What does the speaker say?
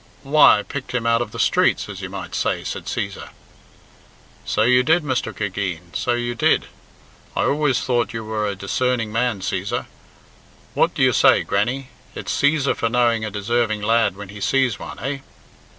"Why, I picked him out of the streets, as you might say," said Cæsar. "So you did, Mr. Cregeen, so you did. I always thought you were a discerning man, Cæsar. What do you say, Grannie? It's Cæsar for knowing a deserving lad when he sees one, eh?"